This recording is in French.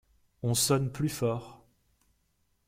On sonne plus fort.